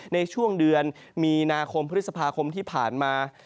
ในช่วงเดือนมีนาคมพฤษภาคมที่ผ่านมา